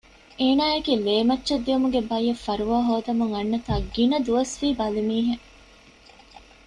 އޭނާއަކީ ލޭމައްޗަށް ދިއުމުގެ ބައްޔަށް ފަރުވާހޯދަމުން އަންނަތާ ގިނަ ދުވަސްވީ ބަލިމީހެއް